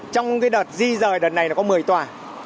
trong đợt di dời đợt này có một mươi tòa